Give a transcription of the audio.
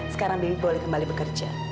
sekarang bibi boleh kembali bekerja